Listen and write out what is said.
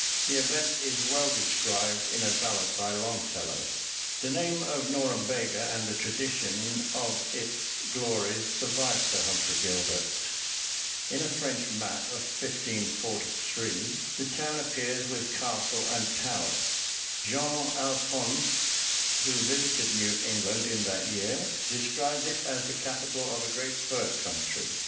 The event is well described in a ballad by Longfellow. The name of Norumbega and the tradition of its glories survived Sir Humphrey Gilbert. In a French map of 1543, the town appears with castle and towers. Jean Allfonsce, who visited New England in that year, describes it as the capital of a great fur country.